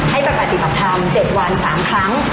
ให้ไปปฏิบัติธรรม๗วัน๓ครั้ง